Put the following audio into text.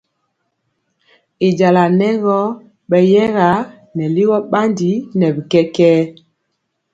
Y jala nɛ gɔ beyɛga nɛ ligɔ bandi nɛ bi kɛkɛɛ.